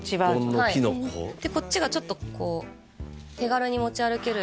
「日本のきのこ」でこっちがちょっとこう手軽に持ち歩ける